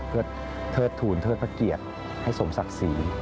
เพื่อเทิดทูลเทิดพระเกียรติให้สมศักดิ์ศรี